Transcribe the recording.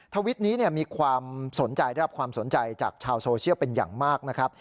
ทวิตนี้มีความสนใจได้รับความสนใจจากชาวโซเชียลเป็นอย่างมากนะครับ